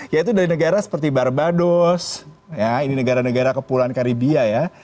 yaitu dari negara seperti barbados ini negara negara kepulauan karibia ya